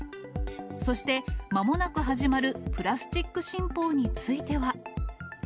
そして、まもなく始まるプラスチック新法については。